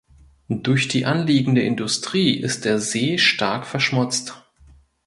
Durch die anliegende Industrie ist der See stark verschmutzt.